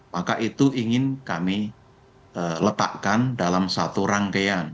maka itu ingin kami letakkan dalam satu rangkaian